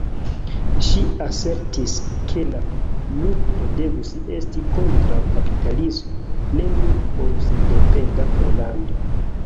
Ŝi asertis ke la lukto devus esti kontraŭ kapitalismo, ne nur por sendependa Pollando.